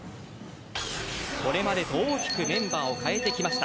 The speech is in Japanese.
これまでと大きくメンバーを変えてきました。